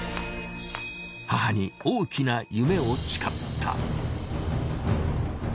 母に大きな夢を誓った。